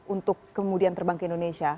untuk kemudian terbang ke indonesia